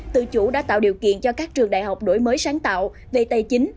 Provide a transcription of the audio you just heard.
tự chủ đã tạo điều kiện cho các trường đại học đổi mới sáng tạo về tài chính